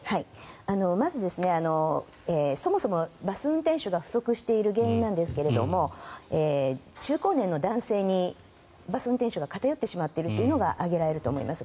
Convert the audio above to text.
まずそもそもバス運転手が不足している原因なんですが中高年の男性にバス運転手が偏っているというのが挙げられると思います。